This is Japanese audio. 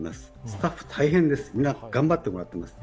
スタッフ大変です、みんな頑張ってもらってます。